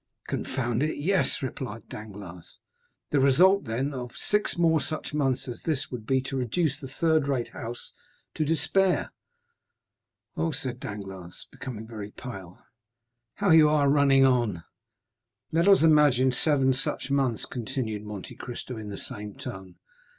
"Confound it, yes!" replied Danglars. "The result, then, of six more such months as this would be to reduce the third rate house to despair." "Oh," said Danglars, becoming very pale, how you are running on!" "Let us imagine seven such months," continued Monte Cristo, in the same tone.